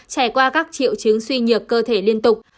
trải qua các triệu chứng suy nhược cơ thể liên tục